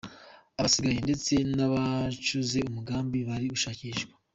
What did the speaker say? Abasigaye, ndetse n’abacuze umugambi bari gushakishwa.